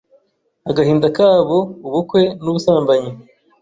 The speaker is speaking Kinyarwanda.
agahinda kaboUbukwe nubusambanyi